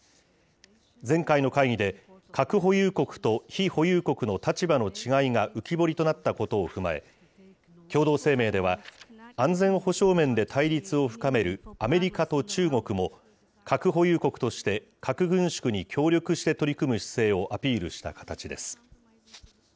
前回の会議で、核保有国と非保有国の立場の違いが浮き彫りとなったことを踏まえ、共同声明では、安全保障面で対立を深めるアメリカと中国も、核保有国として核軍縮に協力して取り組む姿勢をアピールした形です。